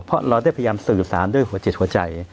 เพราะเราได้พยายามสื่อสารด้วยหัวจิตหัวใจ